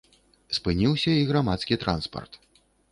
Спыніўся і грамадскі транспарт.